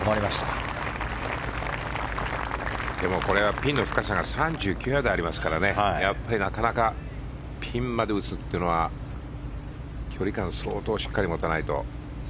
ピンの深さが３９ヤードありますからやっぱり、なかなかピンまで打つというのは距離感、相当しっかり持たないと。